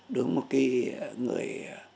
đối với một cái người